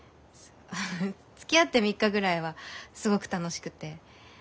つきあって３日ぐらいはすごく楽しくて。